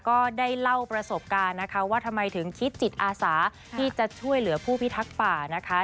ก็ได้เล่าประสบการณ์นะคะว่าทำไมถึงคิดจิตอาสาที่จะช่วยเหลือผู้พิทักษ์ป่านะคะ